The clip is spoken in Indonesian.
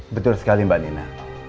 betul sekali mbak nina